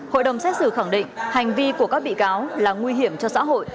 hội đồng xét xử khẳng định hành vi của các bị cáo là nguy hiểm cho xã hội